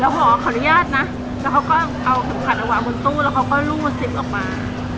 แล้วหอขออนุญาตนะแล้วเขาก็เอาเข็มขัดออกมาบนตู้แล้วเขาก็ลู่ซิฟออกมา